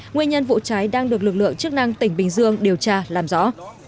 nguyên nhân vụ cháy đang được lực lượng chức năng tỉnh bình dương điều tra làm rõ